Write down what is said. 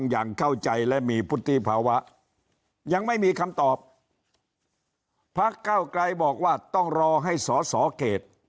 ยังไม่มีคำตอบพระเก้าไกรบอกว่าต้องรอให้สอสอเขต